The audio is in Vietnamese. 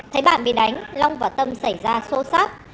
thấy bạn bị đánh long và tâm xảy ra xô xát